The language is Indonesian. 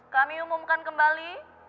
kami umumkan kembali